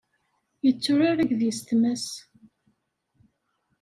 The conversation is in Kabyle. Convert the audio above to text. Yetturar akked yessetma-s.